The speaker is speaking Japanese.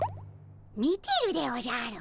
見てるでおじゃる。